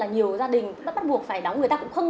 nhiều gia đình bắt buộc phải đóng người ta cũng không